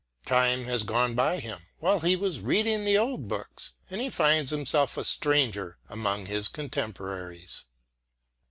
Time has gone by him, while he was reading the old books, and he finds himself a stranger among his contemporaries.